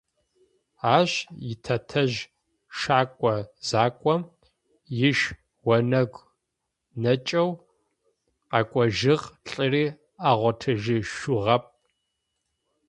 Ащ итэтэжъ шакӏо зэкӏом, иш онэгу нэкӏэу къэкӏожыгъ, лӏыри агъотыжьышъугъэп.